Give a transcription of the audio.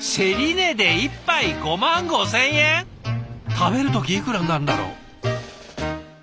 食べる時いくらになるんだろう。